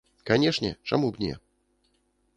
Канешне, чаму б не?